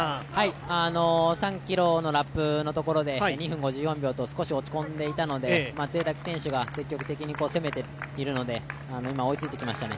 ３ｋｍのラップのところで２分５４秒と少し落ち込んでいたので、松枝選手が積極的に攻めているのが追いついてきましたね。